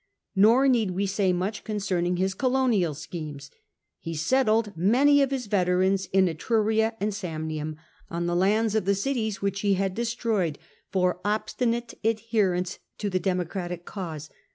Nor need we say much concerning his colonial schemes: he settled many of his veterans in Etruria and Samnium, on the lands of the cities which he had destroyed for obstinate adherence to the Democratic cause.